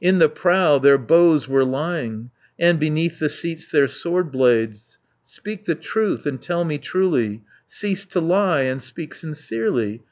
In the prow their bows were lying, And beneath the seats their sword blades. 170 Speak the truth, and tell me truly, Cease to lie, and speak sincerely.